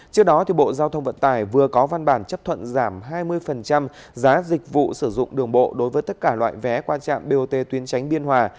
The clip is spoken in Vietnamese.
trước đó bộ giao thông vận tải vừa có văn bản chấp thuận giảm hai mươi giá dịch vụ sử dụng đường bộ đối với tất cả loại vé qua trạm bot tuyến tránh biên hòa